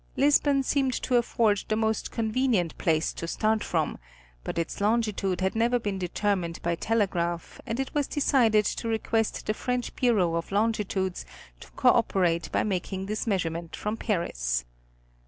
Lisbon seemed to afford the most convenient place to start from, but its longi tude had never been determined by telegraph and it was decided to request the French Bureau of Longitudes to codperate by making this measurement from Paris.